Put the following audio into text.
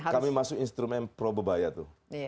kami masuk instrumen pro bebaya tuh